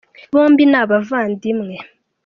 bombi ni abavandimwe.